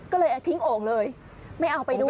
ก็เลยทิ้งโอ่งเลยไม่เอาไปด้วย